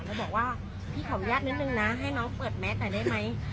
แล้วบอกว่าพี่ขออนุญาตนิดนึงนะให้น้องเปิดแมสหน่อยได้ไหม